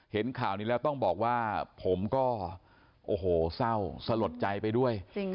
เห็นข่าวนี้แล้วต้องบอกว่าผมก็โอ้โหเศร้าสลดใจไปด้วย